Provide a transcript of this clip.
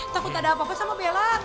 takut ada apa apa sama bella